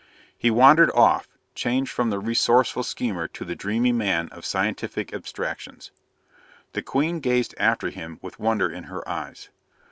He wandered off, changed from the resourceful schemer to the dreamy man of scientific abstractions. The Queen gazed after him with wonder in her eyes.